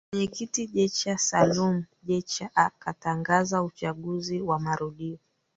Mwenyekiti Jecha Salum Jecha akatangaza uchaguzi wa marudio